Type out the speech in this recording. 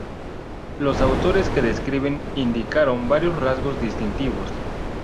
Los autores que describen indicaron varios rasgos distintivos.